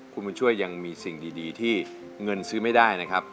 คุณบุญช่วยยังมีสิ่งดีที่เงินซื้อไม่ได้นะครับ